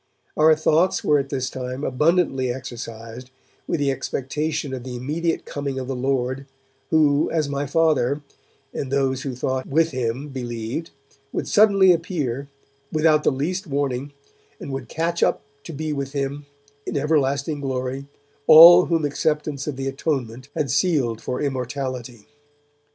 Our thoughts were at this time abundantly exercised with the expectation of the immediate coming of the Lord, who, as my Father and those who thought with him believed, would suddenly appear, without the least warning, and would catch up to be with Him in everlasting glory all whom acceptance of the Atonement had sealed for immortality.